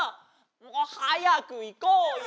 もうはやくいこうよ。